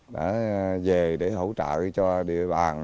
đã về để hỗ trợ cho địa bàn